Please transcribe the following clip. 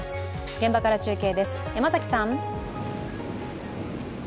現場から中継です、山崎さん。